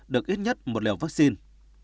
được ít nhất một liều vaccine